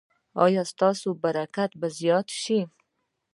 ایا ستاسو برکت به زیات شي؟